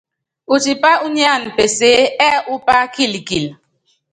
Utipá unyáan peseé ɛ́ɛ upá kilkil.